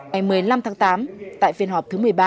hãy mời năm tháng tám tại phiên họp thứ một mươi ba